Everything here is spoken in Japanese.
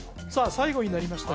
最後になりました